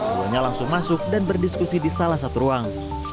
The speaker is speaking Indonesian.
duanya langsung masuk dan berdiskusi di salah satu ruang